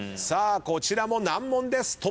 さあこちらも難問です。